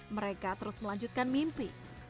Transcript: mereka terus melanjutkan mimpi